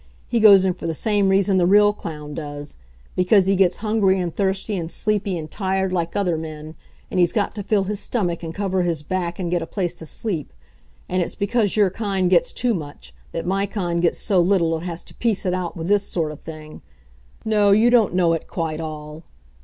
He goes in for the same reason the real clown does because he gets hungry and thirsty and sleepy and tired like other men, and he's got to fill his stomach and cover his back and get a place to sleep. And it's because your kind gets too much, that my kind gets so little it has to piece it out with this sort of thing. No, you don't know it quite all.